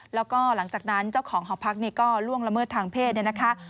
แล้วก็หลังจากนั้นเจ้าของหอพักก็ล่วงละเมิดทางเพศเนี่ยนะคะ